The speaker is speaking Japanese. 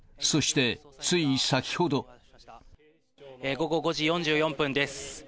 午後５時４４分です。